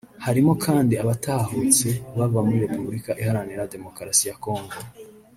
Harimo kandi abatahutse bava muri Repubulika Iharanira Demokarasi ya Congo